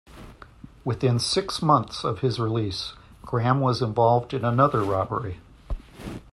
Within six months of his release, Graham was involved in another robbery.